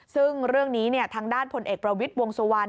ซึ่งเรื่องนี้ทางด้านพลเอกประวิทย์วงสุวรรณ